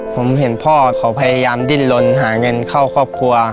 ผมเห็นพ่อเขาพยายามดิ้นลนหาเงินเข้าครอบครัว